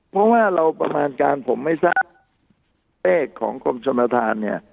เพราะว่าเราประมาณการผมไม่ทราบเลขของกรมชนทานเนี่ย